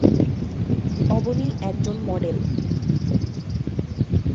অবনী এক জন মডেল।